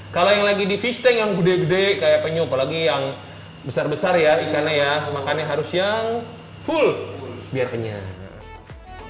kalau yang lagi di fisting yang gede gede kayak penyu apalagi yang besar besar ya ikannya ya makannya harus yang full biar kenyal